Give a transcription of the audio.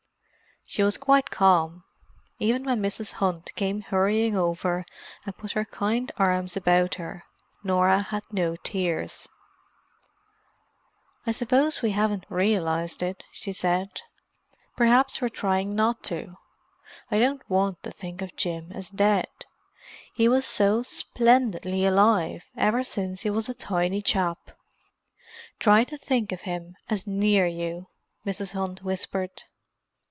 She was quite calm. Even when Mrs. Hunt came hurrying over, and put her kind arms about her, Norah had no tears. "I suppose we haven't realized it," she said. "Perhaps we're trying not to. I don't want to think of Jim as dead—he was so splendidly alive, ever since he was a tiny chap." "Try to think of him as near you," Mrs. Hunt whispered.